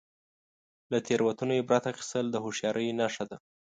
• له تیروتنو عبرت اخیستل د هوښیارۍ نښه ده.